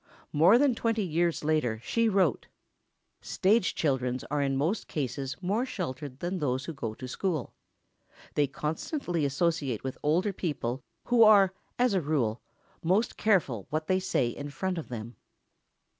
More than twenty years later she wrote: Stage children are in most cases more sheltered than those who go to school. They constantly associate with older people who are, as a rule, most careful what they say in front of them.